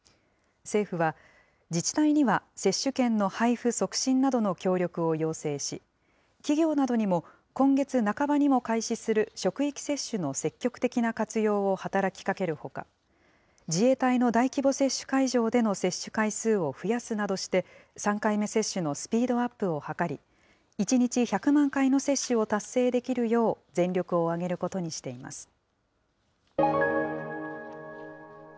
政府は自治体には接種券の配布促進などの協力を要請し、企業などにも今月半ばにも開始する職域接種の積極的な活用を働きかけるほか、自衛隊の大規模接種会場での接種回数を増やすなどして、３回目接種のスピードアップを図り、１日１００万回の接種を達成できるよう、全力を挙げることにしています。